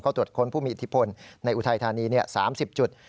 ตรวจค้นผู้มีอิทธิพลในอุทัยธานี๓๐จุด